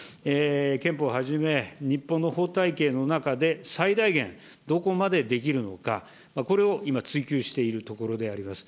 憲法をはじめ、日本の法体系の中で最大限、どこまでできるのか、これを今、追及しているところであります。